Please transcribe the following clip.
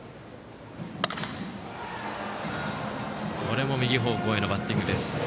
これも右方向へのバッティング。